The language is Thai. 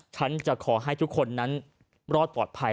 ฉันจะขอให้ทุกคนนั้นรอดปลอดภัย